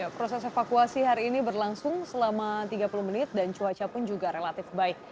proses evakuasi hari ini berlangsung selama tiga puluh menit dan cuaca pun juga relatif baik